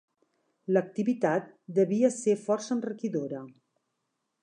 L'activitat devia ser força enriquidora.